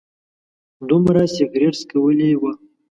دومره سګرټ څکولي و.